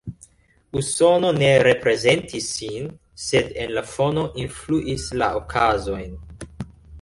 Usono ne reprezentis sin, sed en la fono influis la okazojn.